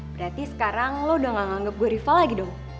berarti sekarang lo udah gak anggap gue rival lagi dong